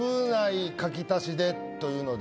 というので。